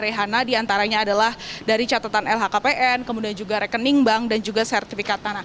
rehana diantaranya adalah dari catatan lhkpn kemudian juga rekening bank dan juga sertifikat tanah